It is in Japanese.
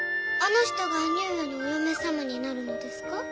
あの人が兄上のお嫁様になるのですか？